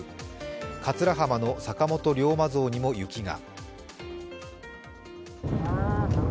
桂浜の坂本龍馬像にも雪が。